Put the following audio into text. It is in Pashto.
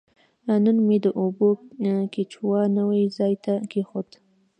نن مې د اوبو کیچوا نوي ځای ته کیښود.